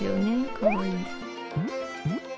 かわいい。